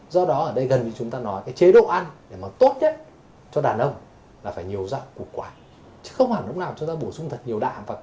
do đó ở đây gần như chúng ta nói chế độ ăn tốt nhất cho đàn ông là phải nhiều rau củ quả chứ không hẳn lúc nào chúng ta bổ sung thật nhiều đạm và kém hầu đâu